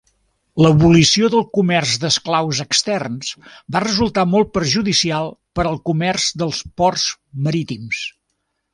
L'abolició del comerç d'esclaus extern va resultar molt perjudicial per al comerç dels ports marítims.